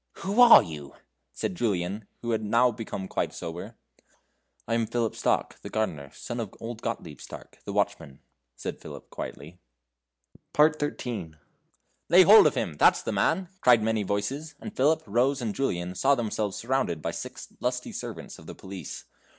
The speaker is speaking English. Who are you?" said Julian, who had now become quite sober. "I am Philip Stark, the gardener, son of old Gottlieb Stark, the watchman," said Philip, quietly. XIII. "Lay hold on him! That's the man!" cried many voices, and Philip, Rose, and Julian saw themselves surrounded by six lusty servants of the police.